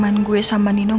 karena kamu sudah pernah aren